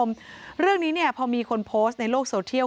คุณผู้ชมเรื่องนี้เนี่ยพอมีคนโพสต์ในโลกโซเทียล